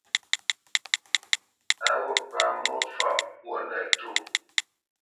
A wût pamwô fâʼ ŋkwó nətûʼ.